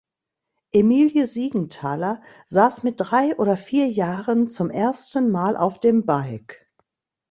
Emilie Siegenthaler sass mit drei oder vier Jahren zum ersten Mal auf dem Bike.